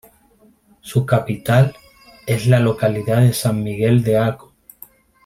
Su capital es la localidad de San Miguel de Aco.